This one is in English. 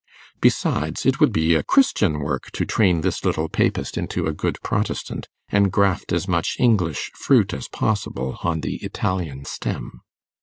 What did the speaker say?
Besides, it would be a Christian work to train this little Papist into a good Protestant, and graft as much English fruit as possible on the Italian stem.